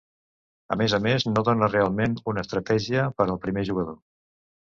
A més a més no dóna realment una estratègia per al primer jugador.